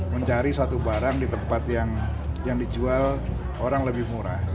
mencari satu barang di tempat yang dijual orang lebih murah